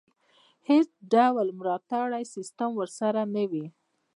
هېڅ ډول ملاتړی سیستم ورسره نه وي.